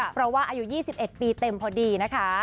เพราะว่าอายุ๒๑ปีเต็มพอดีนะคะ